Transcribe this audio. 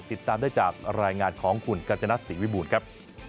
ติดตามได้จากรายงานของคุณกัญจนัทศรีวิบูรณ์ครับ